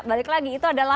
balik lagi itu adalah